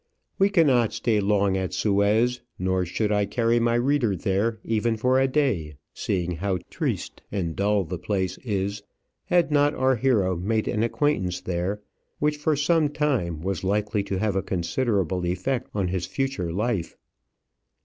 We cannot stay long at Suez, nor should I carry my reader there, even for a day, seeing how triste and dull the place is, had not our hero made an acquaintance there which for some time was likely to have a considerable effect on his future life.